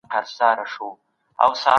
اوبال